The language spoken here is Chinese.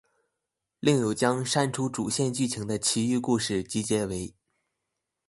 另有将删除主线剧情的其余故事集结为。